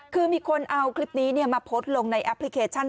คือมีคนเอาคลิปนี้มาโพสต์ลงในแอปพลิเคชัน